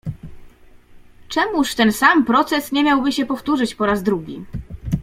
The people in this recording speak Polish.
"Czemuż ten sam proces nie miałby się powtórzyć po raz drugi?"